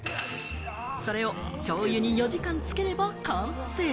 それをしょうゆに４時間漬ければ完成。